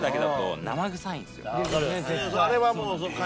あれはもう蟹。